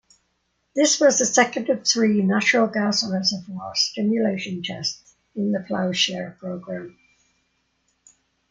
This was the second of three natural-gas-reservoir stimulation test in the Plowshare program.